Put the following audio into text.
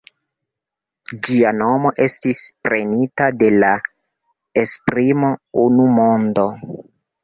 Ĝia nomo estis prenita de la esprimo "unu mondo".